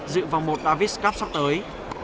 dự vòng một davis cup sắp tới